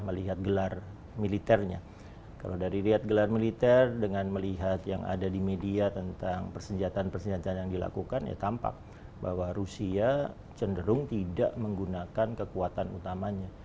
melihat gelar militernya kalau dari lihat gelar militer dengan melihat yang ada di media tentang persenjataan persenjataan yang dilakukan ya tampak bahwa rusia cenderung tidak menggunakan kekuatan utamanya